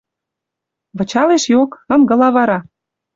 Вычалеш йок. Ынгыла вара...